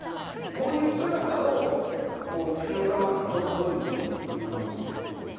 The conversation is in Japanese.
こういう姿を菊紫郎さんはどういうふうに見守ってたんですか？